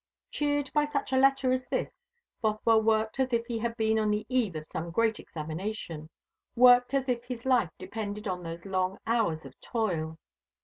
Cheered by such a letter as this, Bothwell worked as if he had been on the eve of some great examination worked as if his life depended on those long hours of toil.